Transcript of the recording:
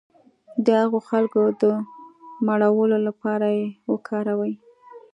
د هغو خلکو د مړولو لپاره یې وکاروي.